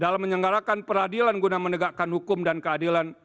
dalam menyelenggarakan peradilan guna menegakkan hukum dan keadilan